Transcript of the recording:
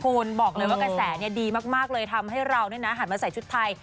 คุณบอกเลยว่ากระแสดีมากเลยทำให้เราหันมาใส่ชุดไทย